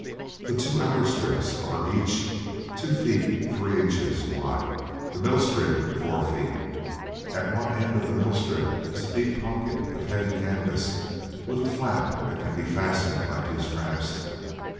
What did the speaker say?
The two outer strips are each two feet three inches wide, the middle strip four feet. At one end of the middle strip is a deep pocket of heavy canvas with a flap that can be fastened by two straps.